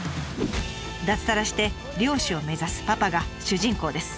脱サラして漁師を目指すパパが主人公です。